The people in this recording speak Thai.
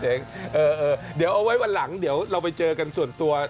เดี๋ยวเอาไว้วันหลังเดี๋ยวเราไปเจอกันส่วนตัว